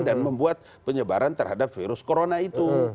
membuat penyebaran terhadap virus corona itu